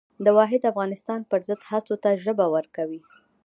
د واحد افغانستان پر ضد هڅو ته ژبه ورکوي.